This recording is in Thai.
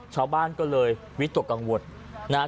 ชาวบ้านก็เลยวิจรภแห่งตัวกังวล